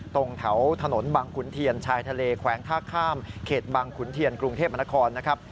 ตรงแถวถนนบังขุนเทียนชายทะเลแขวงท่าข้ามเขตบังขุนเทียนกรุงเทพมนครนะครับ